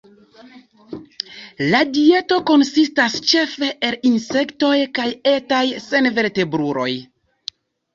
La dieto konsistas ĉefe el insektoj kaj etaj senvertebruloj.